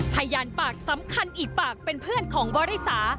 พยานปากสำคัญอีกปากเป็นเพื่อนของบริสา